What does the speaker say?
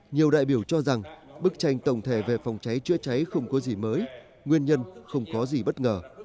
nhiều đại biểu cho rằng bức tranh tổng thể về phòng cháy chữa cháy không có gì mới nguyên nhân không có gì bất ngờ